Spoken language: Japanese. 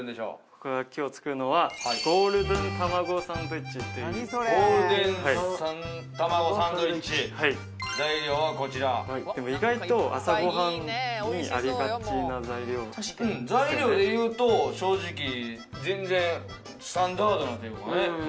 僕が今日作るのはゴールデンたまごサンドイッチはい材料はこちらでも意外と朝ごはんにありがちな材料材料でいうと正直全然スタンダードなというかね